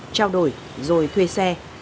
trao đổi rồi thuê xe